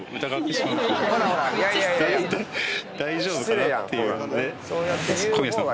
大丈夫かなっていうので小宮さん。